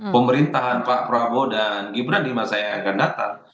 pemerintahan pak prabowo dan gibran di masa yang akan datang